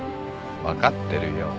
分かってるよ。